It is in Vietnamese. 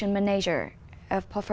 bởi những người phù hợp